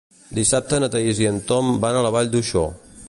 Dissabte na Thaís i en Tom van a la Vall d'Uixó.